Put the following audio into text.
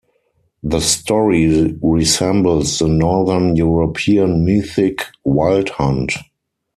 The story resembles the northern European mythic Wild Hunt.